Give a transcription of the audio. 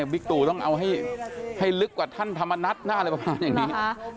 บิ๊กตู่ต้องเอาให้ลึกกว่าท่านธรรมนัฏหน้าอะไรประมาณอย่างนี้